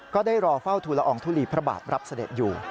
ก็ได้รอเฝ้าทุลอองทุลีพระบาทรับเสด็จอยู่